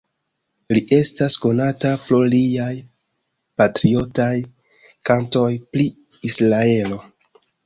Li estas konata pro liaj patriotaj kantoj pri Israelo.